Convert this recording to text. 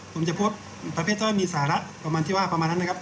ผมจะพบประเภทต้นมีสาระประมาณที่ว่าประมาณนั้นไหมครับ